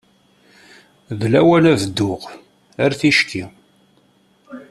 D lawan ad dduɣ. Ar ticki.